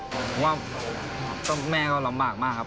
ผมว่าแม่ก็ลำบากมากครับ